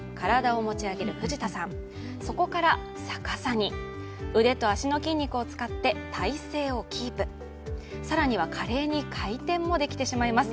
そこから逆さに、腕と足の筋肉を使って体制をキープ、更には華麗に回転もできてしまいます。